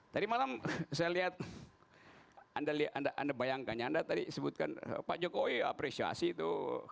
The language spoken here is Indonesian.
tadi malam saya lihat anda bayangkannya anda tadi sebutkan pak jokowi apresiasi itu